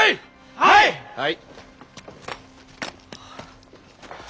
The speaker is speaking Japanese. はい。